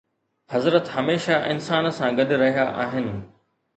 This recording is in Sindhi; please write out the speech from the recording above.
حضرت هميشه انسان سان گڏ رهيا آهن